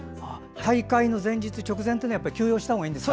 大会の前日、直前は休養したほうがいいんですか。